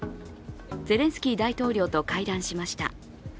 ゼレンスキー大統領と会談しました。